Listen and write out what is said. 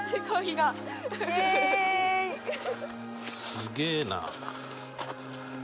すげえな。